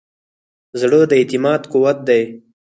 زړه د اعتماد قوت دی.